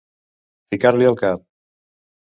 Ficar-li al cap.